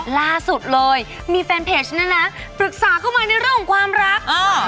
ล่าสุดเลยมีแฟนเพจของฉันนั้นนะปรึกษาเข้ามาในเรื่องความรัก